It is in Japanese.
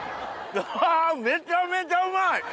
めちゃめちゃうまい！